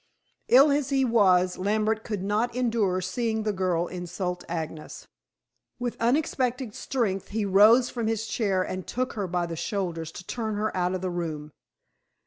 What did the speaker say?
Ill as he was, Lambert could not endure seeing the girl insult Agnes. With unexpected strength he rose from his chair and took her by the shoulders to turn her out of the room.